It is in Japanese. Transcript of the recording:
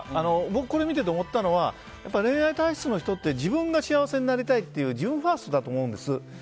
僕はこれを見て思ったのは恋愛体質の人って自分が幸せになりたいっていう自分ファーストだと思うんです。